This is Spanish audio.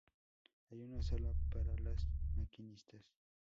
Hay una sala para los maquinistas.